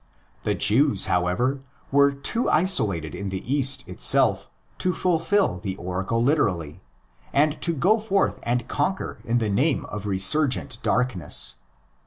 The Jews, however, were too isolated in the East itself to fulfil the oracle literally, and to go forth and conquer in the name of resurgent darkness.